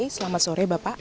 selamat sore bapak